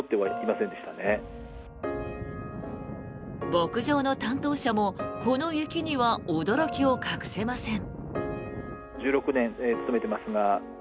牧場の担当者もこの雪には驚きを隠せません。